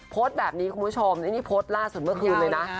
โพสต์แบบนี้คุณผู้ชมอันนี้โพสต์ล่าสุดเมื่อคืนเลยนะ